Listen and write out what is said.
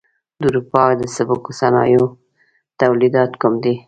د اروپا د سپکو صنایعو تولیدات کوم دي؟